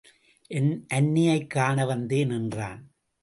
என் அன்னையைக் காண வந்தேன் என்றான்.